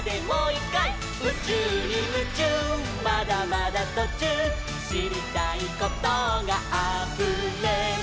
「うちゅうにムチューまだまだとちゅう」「しりたいことがあふれる」